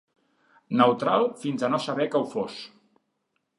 Neutral fins a no saber que ho fos